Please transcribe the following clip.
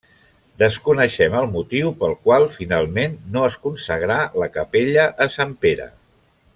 Desconeixem el motiu pel qual finalment no es consagrà la capella a Sant Pere.